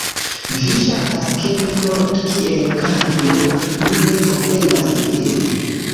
Vi ŝatas ke mi mortu kiel kapro, mi ne komprenas vin